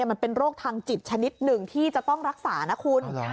มันเป็นโรคทางจิตชนิดหนึ่งที่จะต้องรักษานะคุณ